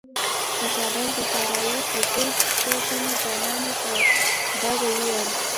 د کابل د سرای خوجې څو تنو ځوانانو په ډاګه وويل.